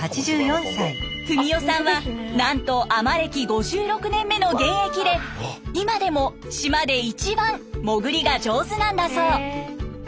文代さんはなんと海女歴５６年目の現役で今でも島で一番潜りが上手なんだそう。